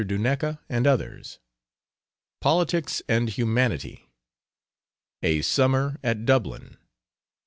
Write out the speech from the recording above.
DUNEKA AND OTHERS. POLITICS AND HUMANITY. A SUMMER AT DUBLIN.